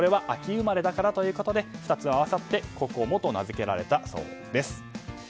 秋生まれだからということで２つ合わさって心椛と名付けられたそうです。